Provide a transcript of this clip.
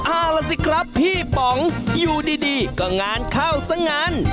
เอาล่ะสิครับพี่ป๋องอยู่ดีก็งานเข้าซะงั้น